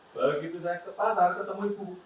begitu saya ke pasar ketemu ibu